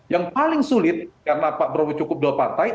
yang paling sulit karena pak prabowo cukup dua partai